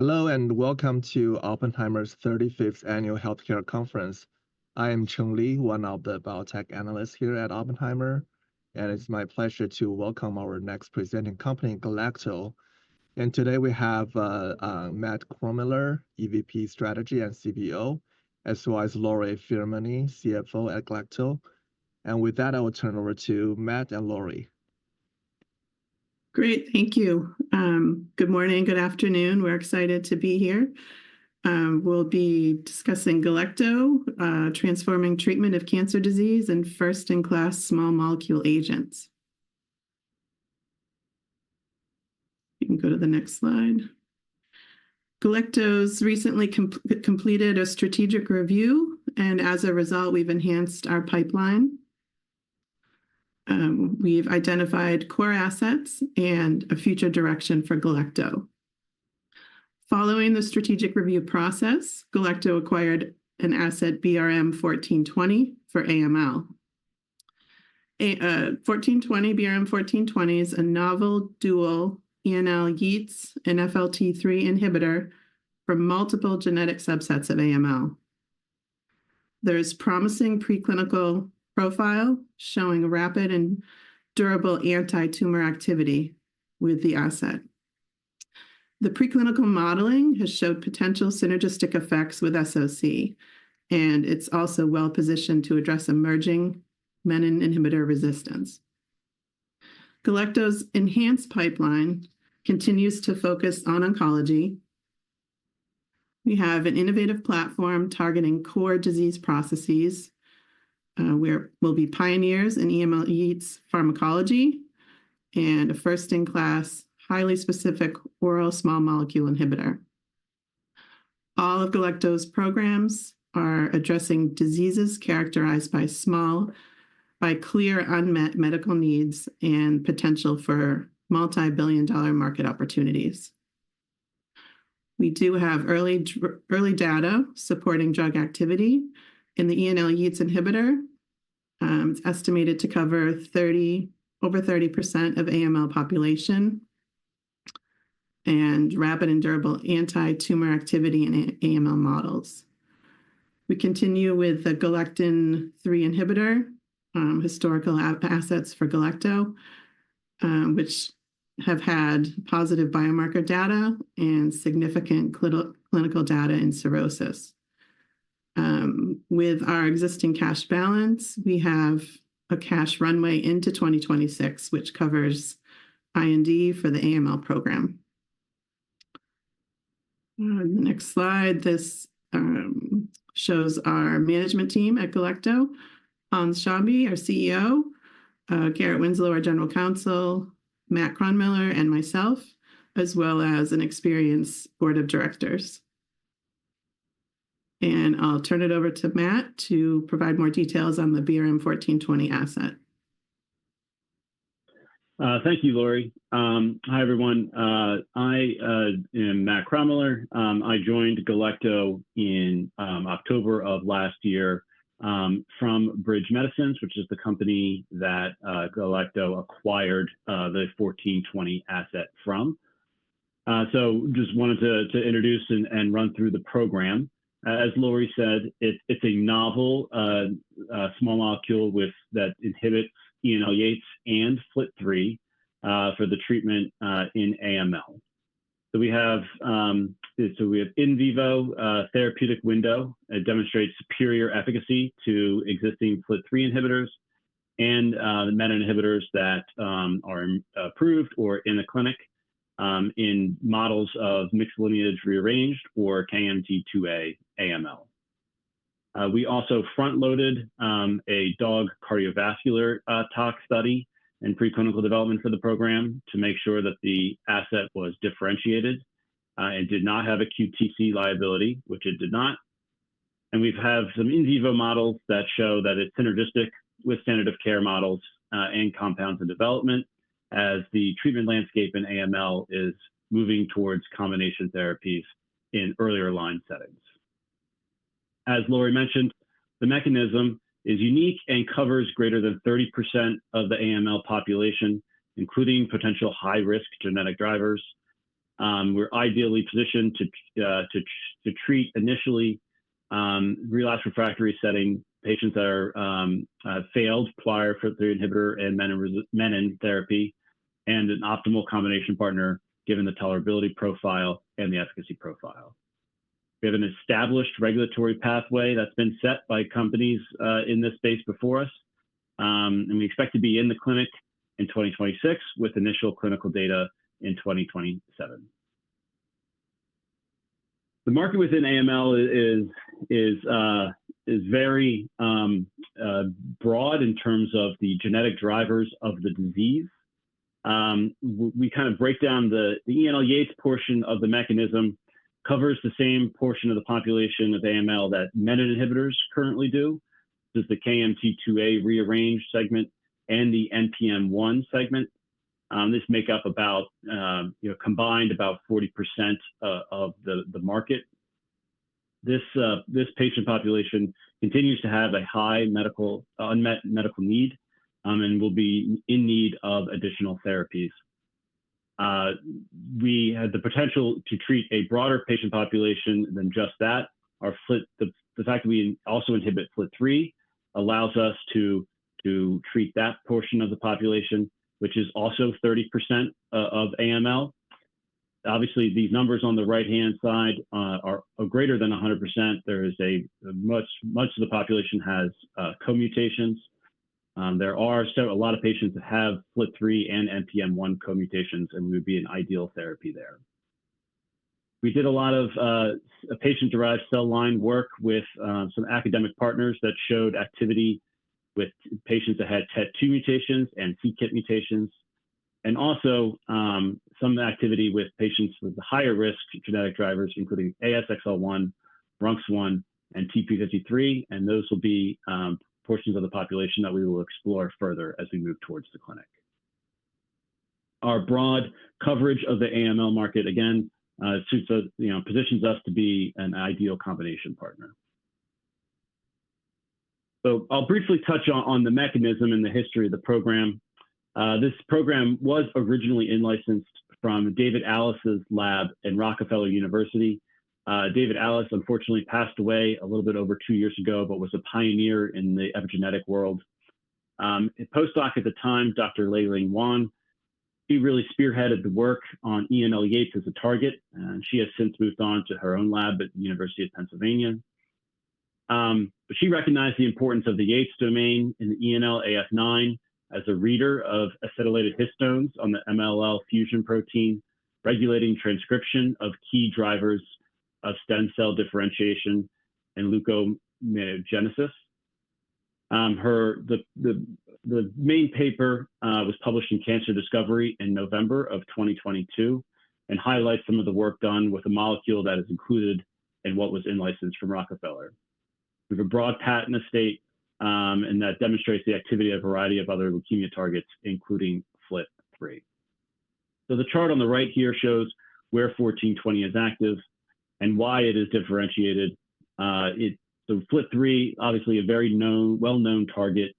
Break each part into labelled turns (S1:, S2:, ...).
S1: Hello, and welcome to Oppenheimer's 35th Annual Healthcare Conference. I am Cheng Li, one of the biotech analysts here at Oppenheimer, and it's my pleasure to welcome our next presenting company, Galecto. Today we have Matt Kronmiller, EVP Strategy and CBO, as well as Lori Firmani, CFO at Galecto. With that, I will turn it over to Matt and Lori.
S2: Great. Thank you. Good morning. Good afternoon. We're excited to be here. We'll be discussing Galecto: transforming treatment of cancer disease and first-in-class small molecule agents. You can go to the next slide. Galecto's recently completed a strategic review, and as a result, we've enhanced our pipeline. We've identified core assets and a future direction for Galecto. Following the strategic review process, Galecto acquired an asset, BRM-1420, for AML. BRM-1420 is a novel dual ENL-YEATS and FLT3 inhibitor for multiple genetic subsets of AML. There is a promising preclinical profile showing rapid and durable anti-tumor activity with the asset. The preclinical modeling has showed potential synergistic effects with SOC, and it's also well-positioned to address emerging menin inhibitor resistance. Galecto's enhanced pipeline continues to focus on oncology. We have an innovative platform targeting core disease processes. We will be pioneers in ENL-YEATS pharmacology and a first-in-class, highly specific oral small molecule inhibitor. All of Galecto's programs are addressing diseases characterized by clear unmet medical needs and potential for multi-billion dollar market opportunities. We do have early data supporting drug activity in the ENL-YEATS inhibitor. It's estimated to cover over 30% of AML population and rapid and durable anti-tumor activity in AML models. We continue with the Galectin-3 inhibitor, historical assets for Galecto, which have had positive biomarker data and significant clinical data in cirrhosis. With our existing cash balance, we have a cash runway into 2026, which covers IND for the AML program. The next slide shows our management team at Galecto: Hans Schambye, our CEO; Garrett Winslow, our General Counsel; Matt Kronmiller; and myself, as well as an experienced board of directors. I'll turn it over to Matt to provide more details on the BRM-1420 asset.
S3: Thank you, Lori. Hi, everyone. I am Matt Kronmiller. I joined Galecto in October of last year from Bridge Medicines, which is the company that Galecto acquired the 1420 asset from. Just wanted to introduce and run through the program. As Lori said, it's a novel small molecule that inhibits ENL-YEATS and FLT3 for the treatment in AML. We have in vivo therapeutic window. It demonstrates superior efficacy to existing FLT3 inhibitors and menin inhibitors that are approved or in the clinic in models of mixed lineage rearranged or KMT2A AML. We also front-loaded a dog cardiovascular tox study in preclinical development for the program to make sure that the asset was differentiated and did not have a QTc liability, which it did not. We have some in vivo models that show that it's synergistic with standard of care models and compounds in development as the treatment landscape in AML is moving towards combination therapies in earlier line settings. As Lori mentioned, the mechanism is unique and covers greater than 30% of the AML population, including potential high-risk genetic drivers. We're ideally positioned to treat initially relapse refractory setting patients that have failed prior FLT3 inhibitor and menin therapy and an optimal combination partner given the tolerability profile and the efficacy profile. We have an established regulatory pathway that's been set by companies in this space before us, and we expect to be in the clinic in 2026 with initial clinical data in 2027. The market within AML is very broad in terms of the genetic drivers of the disease. We kind of break down the ENL-YEATS portion of the mechanism, which covers the same portion of the population of AML that menin inhibitors currently do. This is the KMT2A rearranged segment and the NPM1 segment. This makes up about, combined, about 40% of the market. This patient population continues to have a high unmet medical need and will be in need of additional therapies. We had the potential to treat a broader patient population than just that. The fact that we also inhibit FLT3 allows us to treat that portion of the population, which is also 30% of AML. Obviously, these numbers on the right-hand side are greater than 100%. Much of the population has co-mutations. There are a lot of patients that have FLT3 and NPM1 co-mutations, and we would be an ideal therapy there. We did a lot of patient-derived cell line work with some academic partners that showed activity with patients that had TET2 mutations and c-KIT mutations, and also some activity with patients with higher-risk genetic drivers, including ASXL1, RUNX1, and TP53. Those will be portions of the population that we will explore further as we move towards the clinic. Our broad coverage of the AML market, again, positions us to be an ideal combination partner. I'll briefly touch on the mechanism and the history of the program. This program was originally in-licensed from David Allis's lab in Rockefeller University. David Allis, unfortunately, passed away a little bit over two years ago, but was a pioneer in the epigenetic world. Postdoc at the time, Dr. Liling Wan, she really spearheaded the work on ENL-YEATS as a target, and she has since moved on to her own lab at the University of Pennsylvania. She recognized the importance of the YEATS domain in the ENL-AF9 as a reader of acetylated histones on the MLL fusion protein, regulating transcription of key drivers of stem cell differentiation and leukomyogenesis. The main paper was published in Cancer Discovery in November of 2022 and highlights some of the work done with a molecule that is included in what was in-licensed from Rockefeller. We have a broad patent estate, and that demonstrates the activity of a variety of other leukemia targets, including FLT3. The chart on the right here shows where 1420 is active and why it is differentiated. FLT3, obviously a very well-known target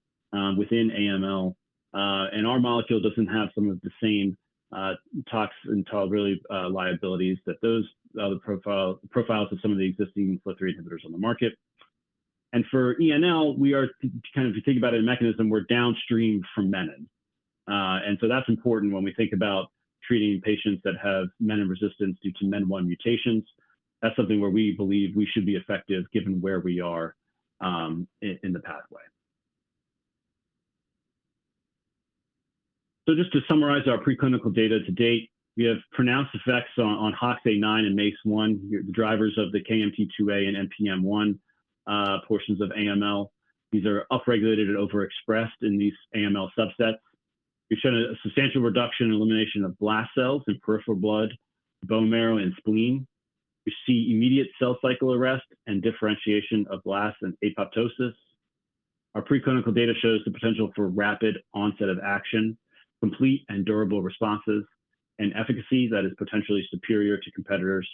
S3: within AML, and our molecule does not have some of the same toxin tolerability liabilities that those profiles of some of the existing FLT3 inhibitors on the market. For ENL, we are, kind of if you think about it, a mechanism, we are downstream from menin. That is important when we think about treating patients that have menin resistance due to MEN1 mutations. That is something where we believe we should be effective given where we are in the pathway. Just to summarize our preclinical data to date, we have pronounced effects on HOXA9 and MEIS1, the drivers of the KMT2A and NPM1 portions of AML. These are upregulated and overexpressed in these AML subsets. We have shown a substantial reduction in elimination of blast cells in peripheral blood, bone marrow, and spleen. We see immediate cell cycle arrest and differentiation of blasts and apoptosis. Our preclinical data shows the potential for rapid onset of action, complete and durable responses, and efficacy that is potentially superior to competitors.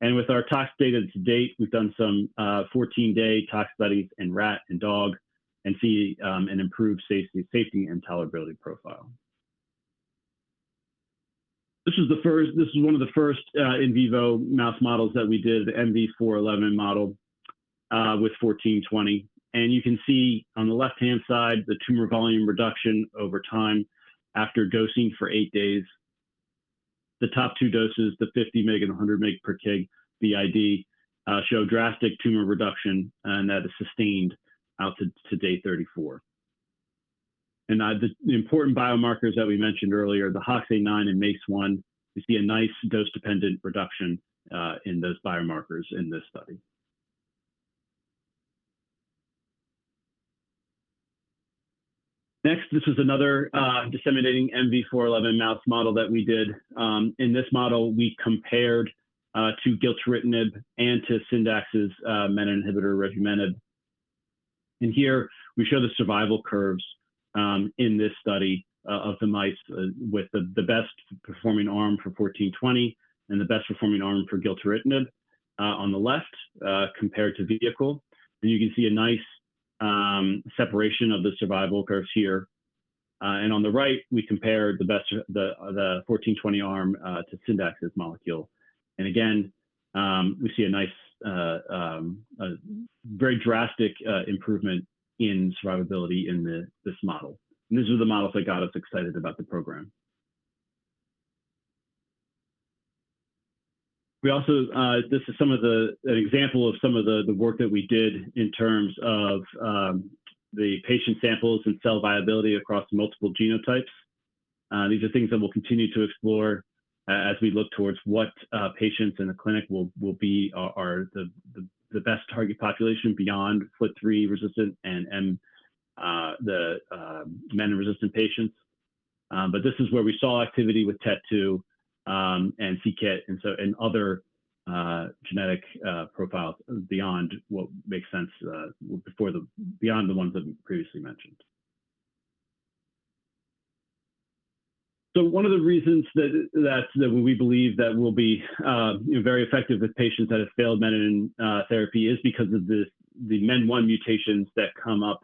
S3: With our tox data to date, we've done some 14-day tox studies in rat and dog and see an improved safety and tolerability profile. This is one of the first in vivo mouse models that we did, the MV4-11 model with 1420. You can see on the left-hand side the tumor volume reduction over time after dosing for eight days. The top two doses, the 50 mg and 100 mg per kg BID, show drastic tumor reduction, and that is sustained out to day 34. The important biomarkers that we mentioned earlier, the HOXA9 and MEIS1, we see a nice dose-dependent reduction in those biomarkers in this study. Next, this is another disseminating MV4-11 mouse model that we did. In this model, we compared to Gilteritinib and to Syndax's menin inhibitor Revumenib. Here, we show the survival curves in this study of the mice with the best-performing arm for 1420 and the best-performing arm for Gilteritinib on the left compared to vehicle. You can see a nice separation of the survival curves here. On the right, we compared the 1420 arm to Syndax's molecule. Again, we see a very drastic improvement in survivability in this model. These are the models that got us excited about the program. This is some of an example of some of the work that we did in terms of the patient samples and cell viability across multiple genotypes. These are things that we'll continue to explore as we look towards what patients in the clinic will be the best target population beyond FLT3 resistant and menin resistant patients. This is where we saw activity with TET2 and c-KIT and other genetic profiles beyond what makes sense beyond the ones that we previously mentioned. One of the reasons that we believe that we'll be very effective with patients that have failed menin therapy is because of the MEN1 mutations that come up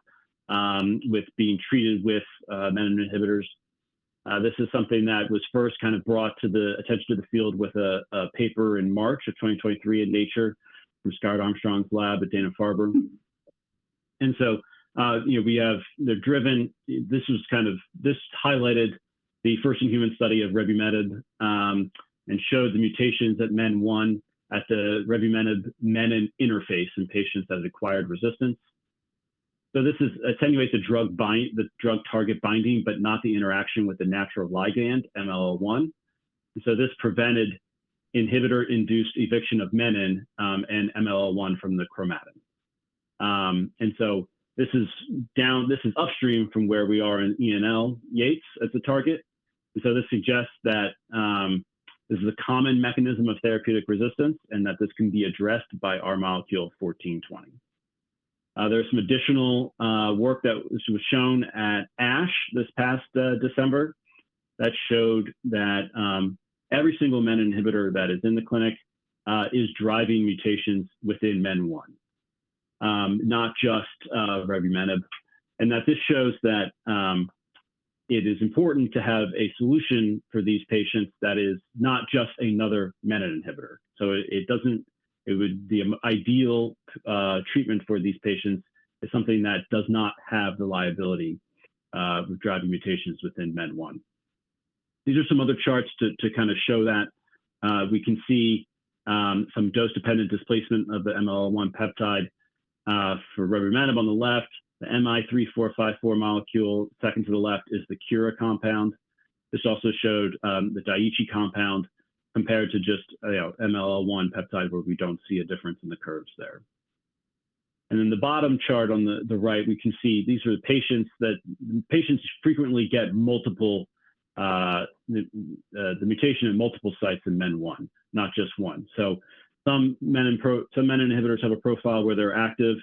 S3: with being treated with menin inhibitors. This is something that was first kind of brought to the attention of the field with a paper in March of 2023 in Nature from Scott Armstrong's lab at Dana-Farber Cancer Institute. We have this kind of highlighted the first-in-human study of Revumenib and showed the mutations that MEN1 at the Revumenib menin interface in patients that had acquired resistance. This attenuates the drug target binding, but not the interaction with the natural ligand, MLL1. This prevented inhibitor-induced eviction of menin and MLL1 from the chromatin. This is upstream from where we are in ENL-YEATS as a target. This suggests that this is a common mechanism of therapeutic resistance and that this can be addressed by our molecule 1420. There is some additional work that was shown at ASH this past December that showed that every single menin inhibitor that is in the clinic is driving mutations within MEN1, not just Revumenib. This shows that it is important to have a solution for these patients that is not just another menin inhibitor. It would be an ideal treatment for these patients if it is something that does not have the liability of driving mutations within MEN1. These are some other charts to kind of show that. We can see some dose-dependent displacement of the MLL1 peptide for Revumenib on the left. The MI-3454 molecule second to the left is the Kura compound. This also showed the Daiichi compound compared to just MLL1 peptide where we do not see a difference in the curves there. In the bottom chart on the right, we can see these are the patients that frequently get the mutation at multiple sites in MEN1, not just one. Some menin inhibitors have a profile where they are active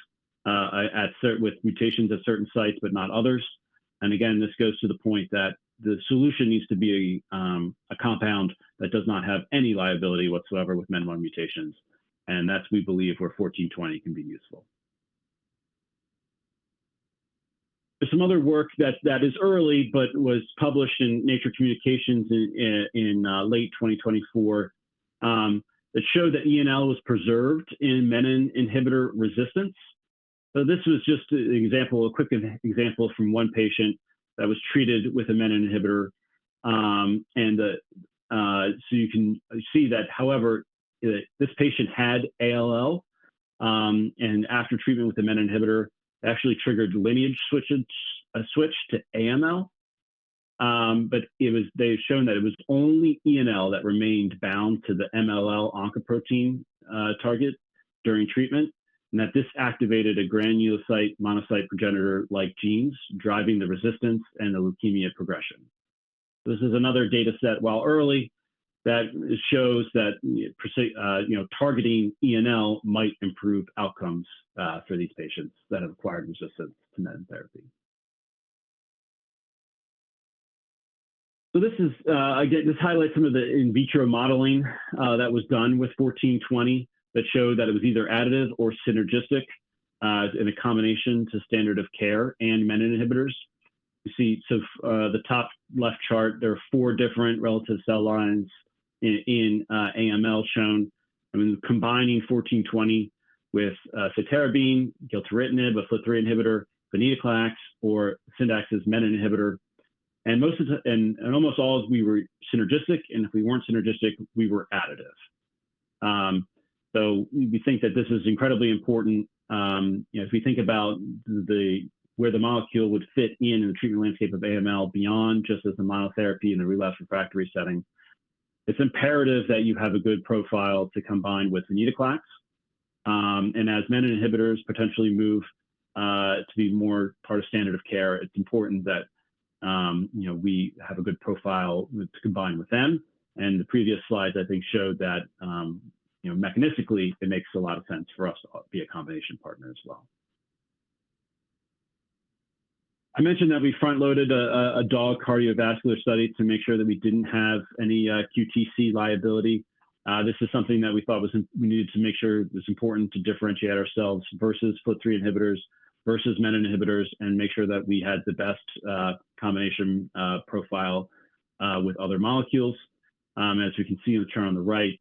S3: with mutations at certain sites, but not others. This goes to the point that the solution needs to be a compound that does not have any liability whatsoever with MEN1 mutations. That is, we believe, where 1420 can be useful. There is some other work that is early, but was published in Nature Communications in late 2024 that showed that ENL was preserved in menin inhibitor resistance. This was just an example, a quick example from one patient that was treated with a menin inhibitor. You can see that, however, this patient had ALL, and after treatment with the menin inhibitor, it actually triggered lineage switch to AML. They have shown that it was only ENL that remained bound to the MLL oncoprotein target during treatment, and that this activated a granulocyte monocyte progenitor-like genes driving the resistance and the leukemia progression. This is another data set, while early, that shows that targeting ENL might improve outcomes for these patients that have acquired resistance to menin therapy. This highlights some of the in vitro modeling that was done with 1420 that showed that it was either additive or synergistic in a combination to standard of care and menin inhibitors. You see, the top left chart, there are four different relative cell lines in AML shown. I mean, combining 1420 with azacitidine, Gilteritinib, a FLT3 inhibitor, venetoclax, or Syndax's menin inhibitor. In almost all, we were synergistic, and if we were not synergistic, we were additive. We think that this is incredibly important. If we think about where the molecule would fit in the treatment landscape of AML beyond just as the monotherapy in the relapse refractory setting, it's imperative that you have a good profile to combine with venetoclax. As menin inhibitors potentially move to be more part of standard of care, it's important that we have a good profile to combine with them. The previous slides, I think, showed that mechanistically, it makes a lot of sense for us to be a combination partner as well. I mentioned that we front-loaded a dog cardiovascular study to make sure that we didn't have any QTc liability. This is something that we thought we needed to make sure it was important to differentiate ourselves versus FLT3 inhibitors versus menin inhibitors and make sure that we had the best combination profile with other molecules. As we can see in the chart on the right,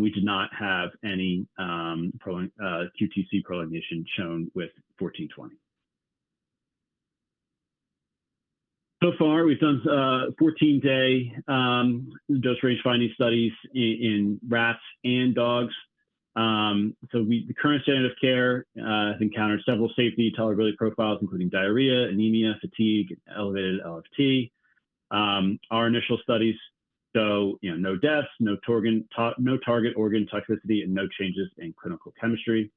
S3: we did not have any QTc prolongation shown with 1420. So far, we've done 14-day dose range finding studies in rats and dogs. The current standard of care has encountered several safety tolerability profiles, including diarrhea, anemia, fatigue, elevated LFT. Our initial studies show no deaths, no target organ toxicity, and no changes in clinical chemistry.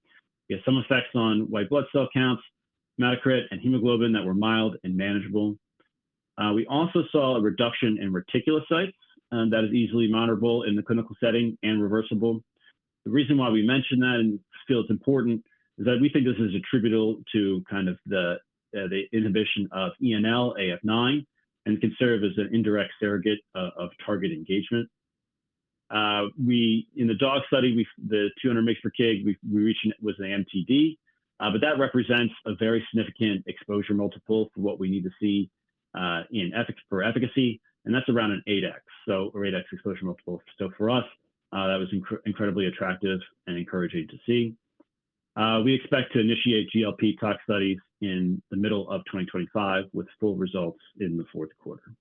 S3: We had some effects on white blood cell counts, hematocrit, and hemoglobin that were mild and manageable. We also saw a reduction in reticulocytes that is easily monitorable in the clinical setting and reversible. The reason why we mentioned that and feel it's important is that we think this is attributable to kind of the inhibition of ENL/AF9 and can serve as an indirect surrogate of target engagement. In the dog study, the 200 mg per kg, we reached it with an MTD, but that represents a very significant exposure multiple for what we need to see for efficacy, and that's around an 8X or 8X exposure multiple. For us, that was incredibly attractive and encouraging to see. We expect to initiate GLP tox studies in the middle of 2025 with full results in the fourth quarter.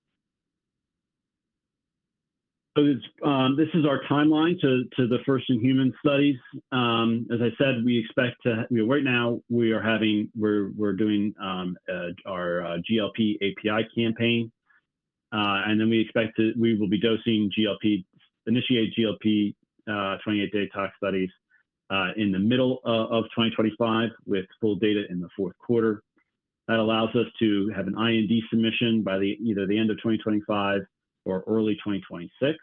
S3: This is our timeline to the first-in-human studies. As I said, we expect to right now, we are doing our GLP API campaign. We expect that we will be initiating GLP 28-day tox studies in the middle of 2025 with full data in the fourth quarter. That allows us to have an IND submission by either the end of 2025 or early 2026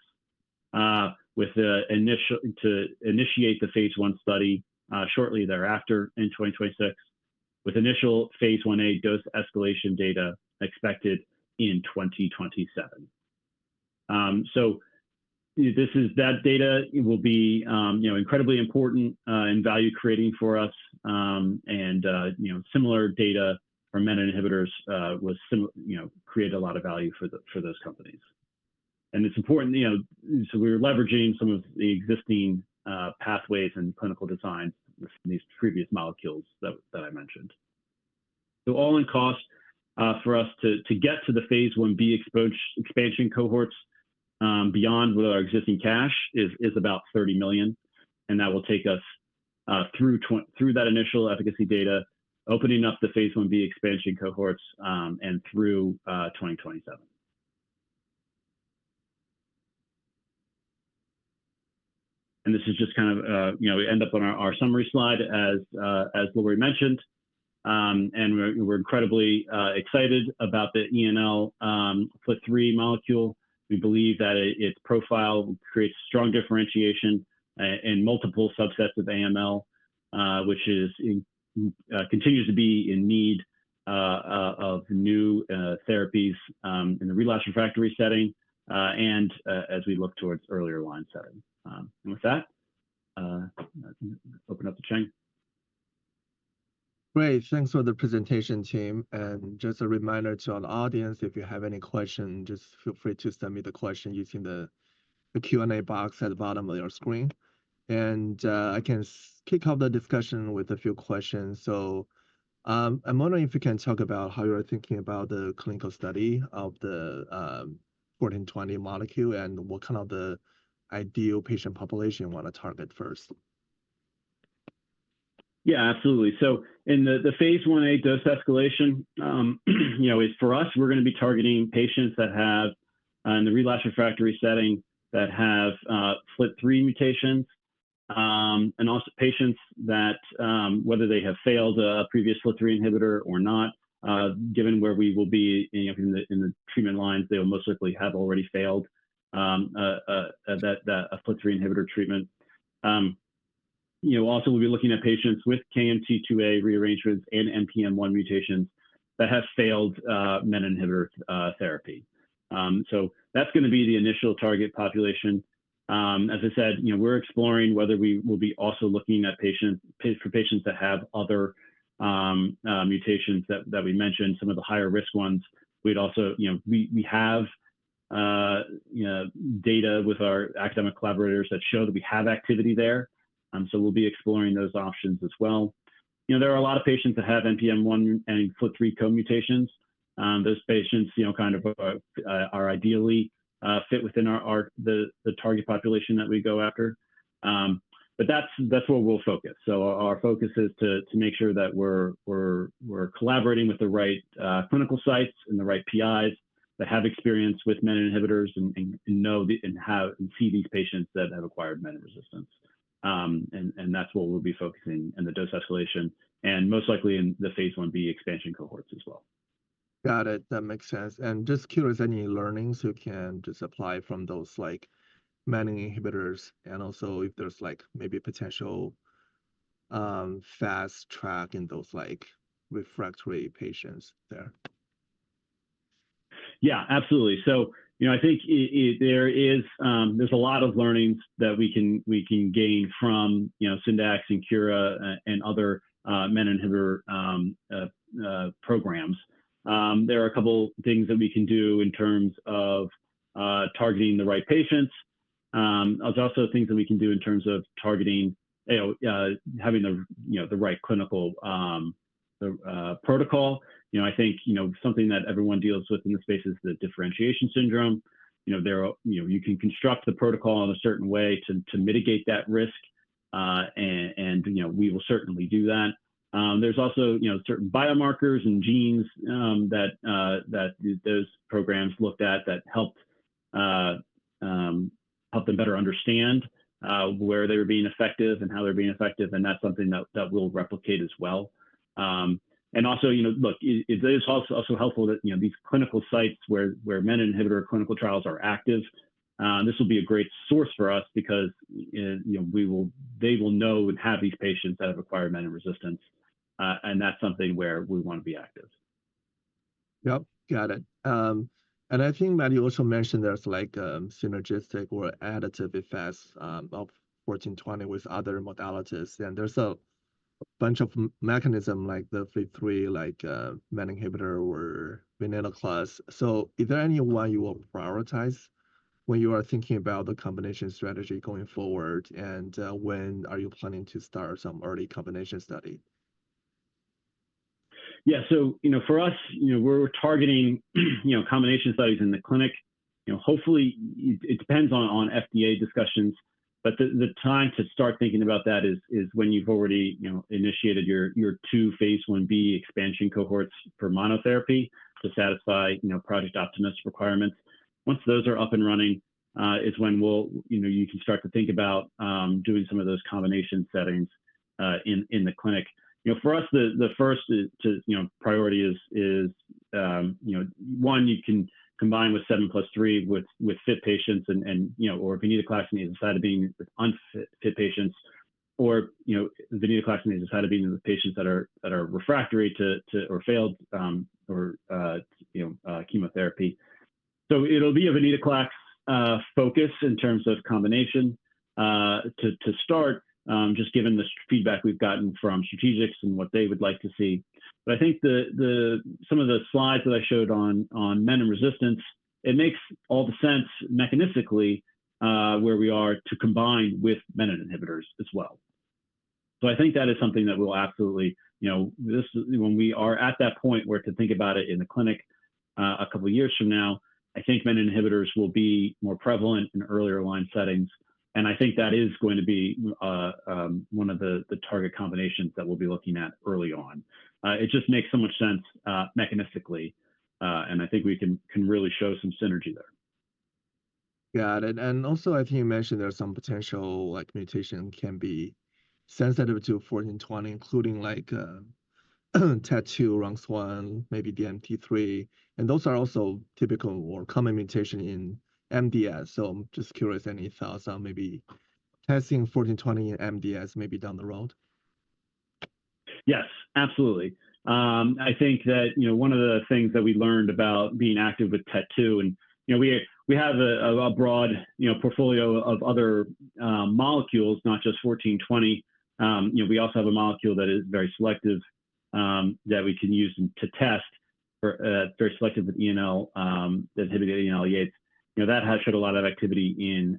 S3: with the initial to initiate the phase one study shortly thereafter in 2026, with initial phase one A dose escalation data expected in 2027. That data will be incredibly important in value creating for us. Similar data for menin inhibitors created a lot of value for those companies. It is important so we are leveraging some of the existing pathways and clinical designs from these previous molecules that I mentioned. All in cost for us to get to the phase one B expansion cohorts beyond with our existing cash is about $30 million. That will take us through that initial efficacy data, opening up the phase one B expansion cohorts and through 2027. This is just kind of we end up on our summary slide as Lori mentioned. We are incredibly excited about the ENL FLT3 molecule. We believe that its profile creates strong differentiation in multiple subsets of AML, which continues to be in need of new therapies in the relapse refractory setting and as we look towards earlier line setting. With that, open up the chat.
S1: Great. Thanks for the presentation, team. Just a reminder to our audience, if you have any questions, just feel free to submit the question using the Q&A box at the bottom of your screen. I can kick off the discussion with a few questions. I'm wondering if you can talk about how you're thinking about the clinical study of the 1420 molecule and what kind of the ideal patient population you want to target first.
S3: Yeah, absolutely. In the phase one A dose escalation, for us, we're going to be targeting patients that have, in the relapse refractory setting, that have FLT3 mutations. Also, patients that, whether they have failed a previous FLT3 inhibitor or not, given where we will be in the treatment lines, they will most likely have already failed a FLT3 inhibitor treatment. Also, we'll be looking at patients with KMT2A rearrangements and NPM1 mutations that have failed menin inhibitor therapy. That's going to be the initial target population. As I said, we're exploring whether we will be also looking at patients that have other mutations that we mentioned, some of the higher risk ones. We have data with our academic collaborators that show that we have activity there. We'll be exploring those options as well. There are a lot of patients that have NPM1 and FLT3 co-mutations. Those patients kind of are ideally fit within the target population that we go after. That is where we will focus. Our focus is to make sure that we are collaborating with the right clinical sites and the right PIs that have experience with menin inhibitors and know and see these patients that have acquired menin resistance. That is what we will be focusing in the dose escalation and most likely in the phase one B expansion cohorts as well.
S1: Got it. That makes sense. Just curious, any learnings you can just apply from those menin inhibitors and also if there's maybe potential fast track in those refractory patients there?
S3: Yeah, absolutely. I think there's a lot of learnings that we can gain from Syndax and Kura and other menin inhibitor programs. There are a couple of things that we can do in terms of targeting the right patients. There's also things that we can do in terms of targeting having the right clinical protocol. I think something that everyone deals with in this space is the differentiation syndrome. You can construct the protocol in a certain way to mitigate that risk. We will certainly do that. There's also certain biomarkers and genes that those programs looked at that helped them better understand where they were being effective and how they're being effective. That's something that we'll replicate as well. It is also helpful that these clinical sites where menin inhibitor clinical trials are active, this will be a great source for us because they will know and have these patients that have acquired menin resistance. That is something where we want to be active.
S1: Yep. Got it. I think Matthew also mentioned there's synergistic or additive effects of 1420 with other modalities. There's a bunch of mechanism like the FLT3, like menin inhibitor or venetoclax. Is there anyone you will prioritize when you are thinking about the combination strategy going forward? When are you planning to start some early combination study?
S3: Yeah. For us, we're targeting combination studies in the clinic. Hopefully, it depends on FDA discussions. The time to start thinking about that is when you've already initiated your two phase one B expansion cohorts for monotherapy to satisfy Project Optimist requirements. Once those are up and running is when you can start to think about doing some of those combination settings in the clinic. For us, the first priority is, one, you can combine with 7+3 with fit patients or venetoclax and azacitidine with unfit patients or venetoclax and azacitidine with patients that are refractory to or failed chemotherapy. It'll be a venetoclax focus in terms of combination to start, just given the feedback we've gotten from strategics and what they would like to see. I think some of the slides that I showed on menin resistance, it makes all the sense mechanistically where we are to combine with menin inhibitors as well. I think that is something that we'll absolutely, when we are at that point, where to think about it in the clinic a couple of years from now, I think menin inhibitors will be more prevalent in earlier line settings. I think that is going to be one of the target combinations that we'll be looking at early on. It just makes so much sense mechanistically. I think we can really show some synergy there.
S1: Got it. I think you mentioned there's some potential mutation can be sensitive to 1420, including TET2, RUNX1, maybe DNMT3. Those are also typical or common mutation in MDS. I'm just curious, any thoughts on maybe testing 1420 in MDS maybe down the road?
S3: Yes, absolutely. I think that one of the things that we learned about being active with TET2, and we have a broad portfolio of other molecules, not just 1420. We also have a molecule that is very selective that we can use to test for, very selective with ENL, that inhibit ENL-YEATS. That has showed a lot of activity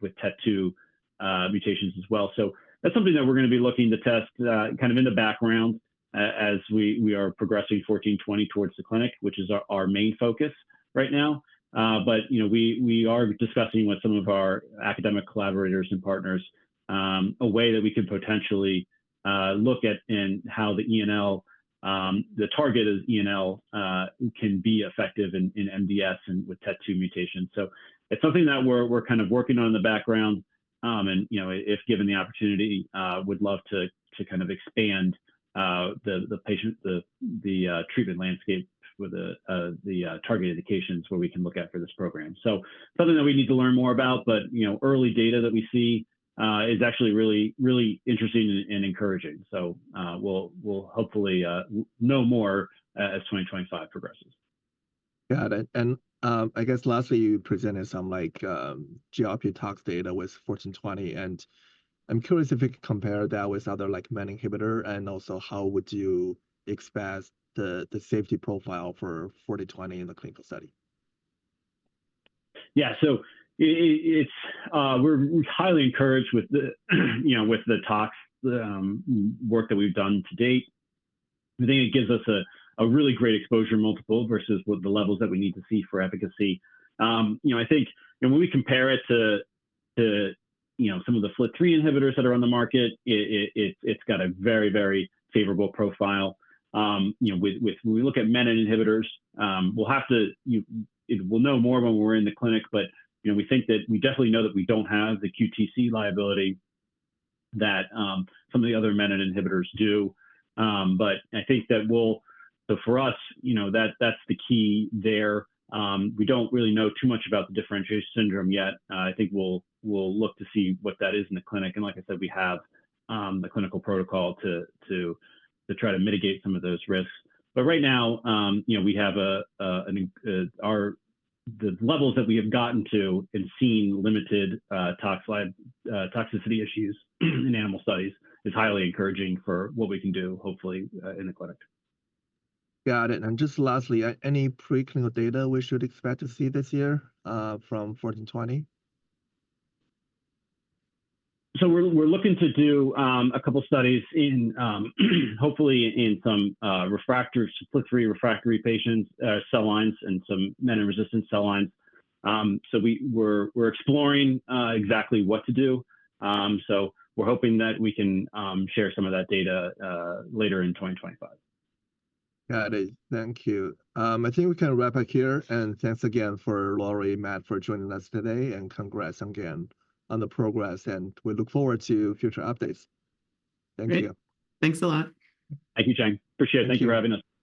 S3: with TET2 mutations as well. That is something that we are going to be looking to test kind of in the background as we are progressing 1420 towards the clinic, which is our main focus right now. We are discussing with some of our academic collaborators and partners a way that we can potentially look at how the targeted ENL can be effective in MDS and with TET2 mutations. It is something that we are kind of working on in the background. If given the opportunity, we'd love to kind of expand the treatment landscape with the target indications where we can look at for this program. That is something that we need to learn more about, but early data that we see is actually really interesting and encouraging. We will hopefully know more as 2025 progresses.
S1: Got it. I guess lastly, you presented some GLP tox data with 1420. I'm curious if you can compare that with other menin inhibitor and also how would you expect the safety profile for 1420 in the clinical study?
S3: Yeah. We're highly encouraged with the tox work that we've done to date. I think it gives us a really great exposure multiple versus the levels that we need to see for efficacy. I think when we compare it to some of the FLT3 inhibitors that are on the market, it's got a very, very favorable profile. When we look at menin inhibitors, we'll know more when we're in the clinic, but we definitely know that we don't have the QTc liability that some of the other menin inhibitors do. I think that for us, that's the key there. We don't really know too much about the differentiation syndrome yet. I think we'll look to see what that is in the clinic. Like I said, we have the clinical protocol to try to mitigate some of those risks. Right now, we have the levels that we have gotten to and seen limited toxicity issues in animal studies is highly encouraging for what we can do hopefully in the clinic.
S2: Got it. Just lastly, any pre-clinical data we should expect to see this year from 1420?
S3: We're looking to do a couple of studies hopefully in some FLT3 refractory patients' cell lines and some menin resistant cell lines. We're exploring exactly what to do. We're hoping that we can share some of that data later in 2025.
S1: Got it. Thank you. I think we can wrap it here. Thank you again to Lori, Matt, for joining us today. Congrats again on the progress. We look forward to future updates. Thank you.
S2: Thanks a lot.
S3: Thank you, Cheng. Appreciate it. Thank you for having us.
S1: Bye.